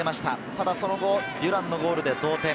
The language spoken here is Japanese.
ただその後、デュランのゴールで同点。